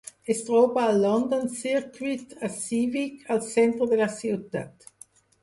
Es troba al London Circuit, a Civic, al centre de la ciutat.